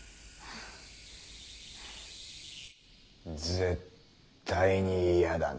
絶対に嫌だね。